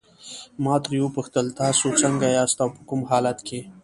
ما ترې وپوښتل تاسي څنګه یاست او په کوم حالت کې.